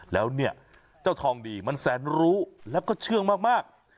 แล้วเนี่ยเจ้าทองดีมันแสนรู้แล้วก็เชื่องมาก